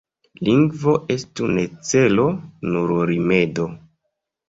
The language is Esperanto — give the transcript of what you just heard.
Lingvo estu ne celo, nur rimedo.